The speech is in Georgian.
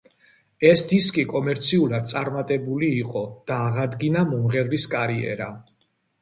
ეს დისკი კომერციულად წარმატებული იყო და აღადგინა მომღერლის კარიერა.